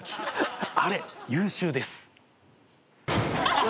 あれ優秀です。